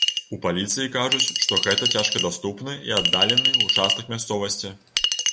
У паліцыі кажуць, што гэта цяжкадаступны і аддалены ўчастак мясцовасці.